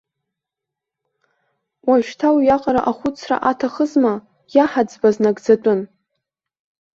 Уажәшьҭа уиаҟара ахәыцра аҭахызма, иаҳаӡбаз нагӡатәын.